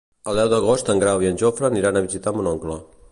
El deu d'agost en Grau i en Jofre aniran a visitar mon oncle.